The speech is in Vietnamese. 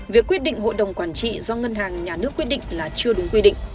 việc quyết định hội đồng quản trị do ngân hàng nhà nước quyết định là chưa đúng quy định